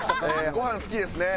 ごはん好きですね？